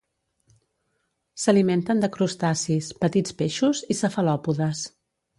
S'alimenten de crustacis, petits peixos i cefalòpodes.